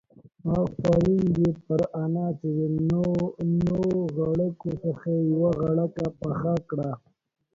آفرين دي پر انا چې د نو غړکو څخه يې يوه غړکه پخه کړه.